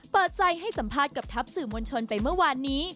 เปิดใจให้สัมภาษณ์กับทัพสื่อมวลชนไปเมื่อวานนี้